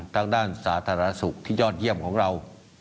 ทางด้านสาธารณสุขที่ยอดเยี่ยมของเรา